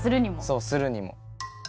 そうするにも。